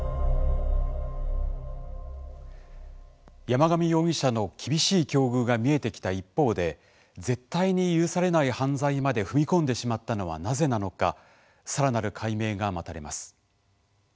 山上容疑者の厳しい境遇が見えてきた一方で絶対に許されない犯罪まで踏み込んでしまったのはなぜなのかさらなる解明が待たれます。